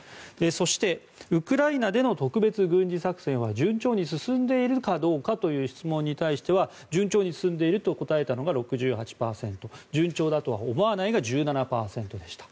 そして、ウクライナでの特別軍事作戦は順調に進んでいるかどいうかという質問に対しては順調に進んでいると答えたのが６８％順調だとは思わないが１７％でした。